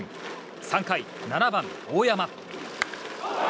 ３回、７番、大山。